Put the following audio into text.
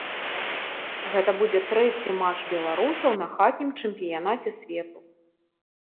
Гэта будзе трэці матч беларусаў на хатнім чэмпіянаце свету.